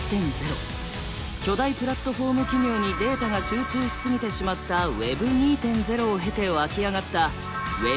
巨大プラットフォーム企業にデータが集中しすぎてしまったＷｅｂ２．０を経て湧き上がったＷｅｂ３は。